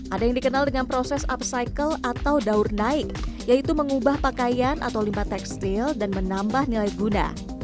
ada yang dikenal dengan proses upcycle atau daur naik yaitu mengubah pakaian atau limbah tekstil dan menambah nilai guna